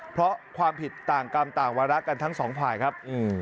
เพราะความผิดต่างกรรมต่างวาระกันทั้งสองฝ่ายครับ